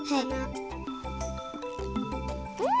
うん。